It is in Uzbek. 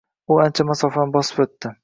U ancha masofani bosib o‘tdi.